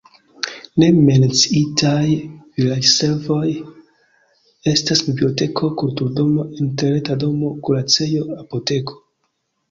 Ne menciitaj vilaĝservoj estas biblioteko, kulturdomo, interreta domo, kuracejo, apoteko.